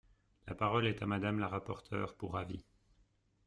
La parole est à Madame la rapporteure pour avis.